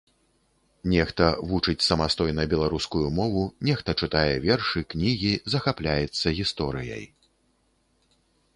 Нехта вучыць самастойна беларускую мову, нехта чытае вершы, кнігі, захапляецца гісторыяй.